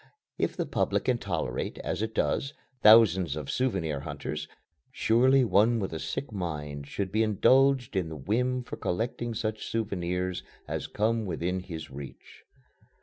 If the public can tolerate, as it does, thousands of souvenir hunters, surely one with a sick mind should be indulged in the whim for collecting such souvenirs as come within his reach.